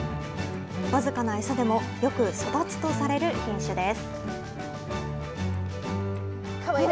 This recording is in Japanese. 僅かな餌でもよく育つとされる品種です。